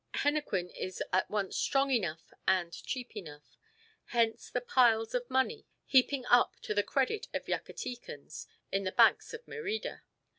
Henequen is at once strong enough and cheap enough. Hence the piles of money heaping up to the credit of Yucatecans in the banks of Merida.